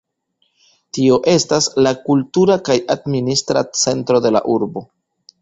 Tio estas la kultura kaj administra centro de la urbo.